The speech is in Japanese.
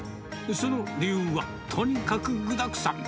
その理由は、とにかく具だくさん。